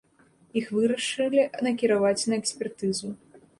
Іх вырашылі накіраваць на экспертызу.